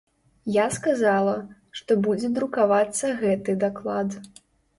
Я сказала, што будзе друкавацца гэты даклад.